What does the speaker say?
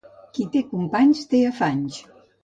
Qui té companys, té afanys.